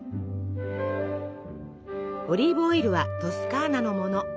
オリーブオイルはトスカーナのもの。